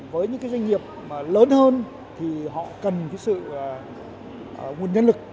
với những cái doanh nghiệp lớn hơn thì họ cần cái sự nguồn nhân lực